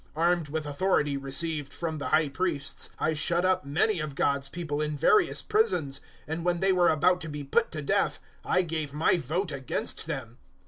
Armed with authority received from the High Priests I shut up many of God's people in various prisons, and when they were about to be put to death I gave my vote against them.